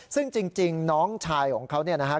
ซึ่งจริงน้องชายของเขาเนี่ยนะครับ